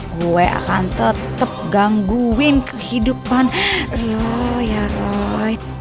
gue akan tetep gangguin kehidupan lo ya roy